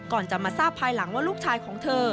ก่อนจะมาทราบภายหลังว่าลูกชายของเธอ